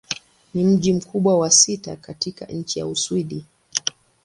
Ni mji mkubwa wa sita katika nchi wa Uswidi.